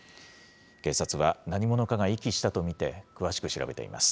警察は何者かが遺棄したと見て、詳しく調べています。